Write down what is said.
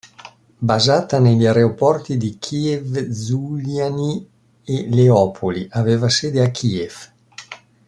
Basata negli aeroporti di Kiev-Žuljany e Leopoli, aveva sede a Kiev.